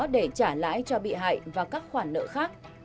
để trả lãi cho bị hại và các khoản nợ khác